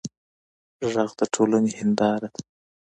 غږ د ټولنې هنداره ده